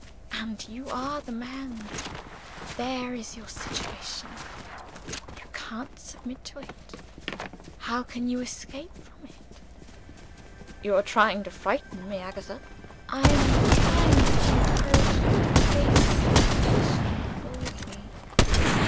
And you are the man. There is your situation! You can't submit to it. How can you escape from it?" "You are trying to frighten me, Agatha." "I am trying to encourage you to face your position boldly."